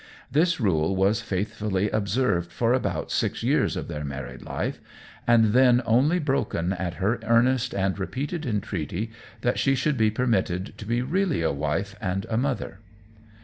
This rule was faithfully observed for about six years of their married life, and then only broken at her earnest and repeated entreaty that she should be permitted to be really a wife and a mother.